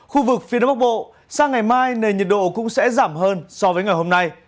khu vực phía đông bắc bộ sang ngày mai nền nhiệt độ cũng sẽ giảm hơn so với ngày hôm nay